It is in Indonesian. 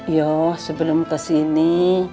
iya sebelum kesini